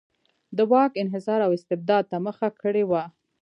د واک انحصار او استبداد ته مخه کړې وه.